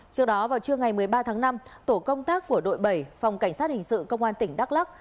trước đó vào trưa ngày một mươi ba tháng năm tổ công tác của đội bảy phòng cảnh sát hình sự công an tp hcm